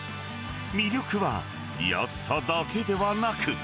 魅力は安さだけではなく。